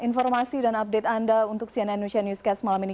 informasi dan update anda untuk cnn newscast malam ini